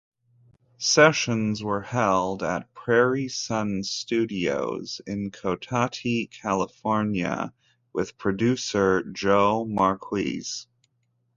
Sessions were held at Prairie Sun Studios in Cotati, California with producer Joe Marquez.